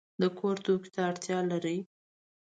د کور توکو ته اړتیا لرئ؟